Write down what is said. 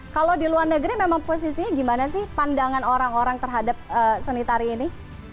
kalau di luar negeri memang posisinya gimana sih pandangan orang orang terhadap seni tari ini